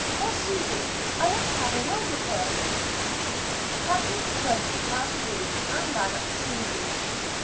there's Susy. I want to have a word with her." Kathleen pushed past Ruth and ran up to Susy.